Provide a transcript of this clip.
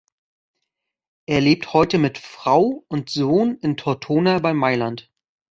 Er lebt heute mit Frau und Sohn in Tortona bei Mailand.